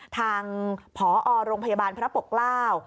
ทางพอโรงพยาบาลพระปกราว